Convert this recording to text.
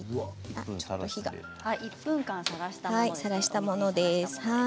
１分間さらしたものです。